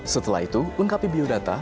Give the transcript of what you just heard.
setelah itu lengkapi biodata